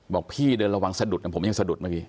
บอกพี่เดินระวังสะดุดผมยังสะดุดเมื่อกี้